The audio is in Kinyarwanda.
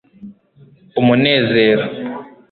umunezero